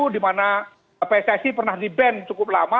dimana pssi pernah di ban cukup lama